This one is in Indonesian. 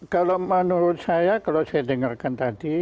kalau menurut saya kalau saya dengarkan tadi